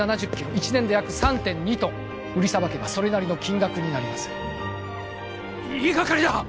１年で約３．２トン売りさばけばそれなりの金額になります言いがかりだ！